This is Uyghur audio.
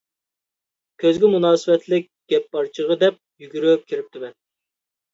كۆزگە مۇناسىۋەتلىك گەپ بار چېغى دەپ يۈگۈرۈپ كىرىپتىمەن.